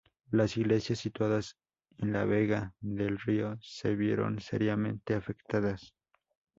Las iglesias situadas en la vega del río se vieron seriamente afectadas.